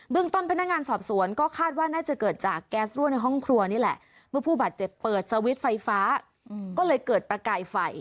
ต้นพนักงานสอบสวนก็คาดว่าน่าจะเกิดจากแก๊สรั่วในห้องครัวนี่แหละเมื่อผู้บาดเจ็บเปิดสวิตช์ไฟฟ้าก็เลยเกิดประกายไฟ